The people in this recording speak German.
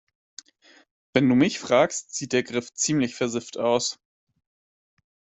Wenn du mich fragst, sieht der Griff ziemlich versifft aus.